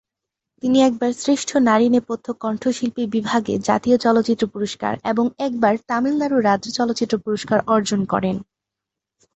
তিনি একবার শ্রেষ্ঠ নারী নেপথ্য কণ্ঠশিল্পী বিভাগে জাতীয় চলচ্চিত্র পুরস্কার এবং একবার তামিলনাড়ু রাজ্য চলচ্চিত্র পুরস্কার অর্জন করেন।